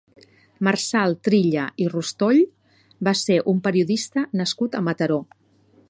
Marçal Trilla i Rostoll va ser un periodista nascut a Mataró.